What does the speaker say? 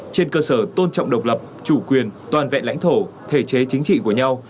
trên cơ sở tôn trọng độc lập chủ quyền toàn vẹn lãnh thổ thể chế chính trị của nhau